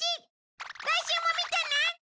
来週も見てね！